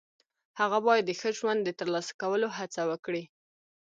هغه باید د ښه ژوند د ترلاسه کولو هڅه وکړي.